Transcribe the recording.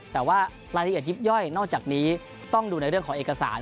แต่ว่ารายละเอียดยิบย่อยนอกจากนี้ต้องดูในเรื่องของเอกสาร